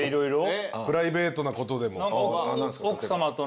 プライベートなことでも。